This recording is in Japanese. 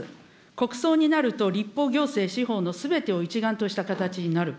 国葬になると立法、行政、司法のすべてを一丸とした形になる。